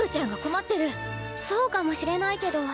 そうかもしれないけど。